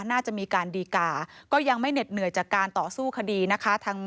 น่าจะมีการดีกาก็ยังไม่เหน็ดเหนื่อยจากการต่อสู้คดีนะคะ